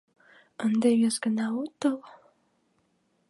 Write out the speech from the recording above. — Ынде вес гана от тол?